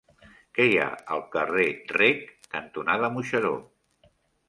Què hi ha al carrer Rec cantonada Moixeró?